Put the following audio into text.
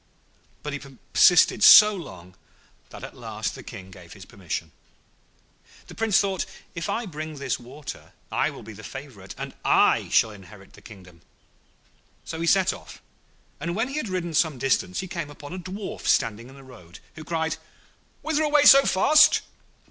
But he persisted so long that at last the King gave his permission. The Prince thought, 'If I bring this water I shall be the favourite, and I shall inherit the kingdom.' So he set off, and when he had ridden some distance he came upon a Dwarf standing in the road, who cried, 'Whither away so fast?'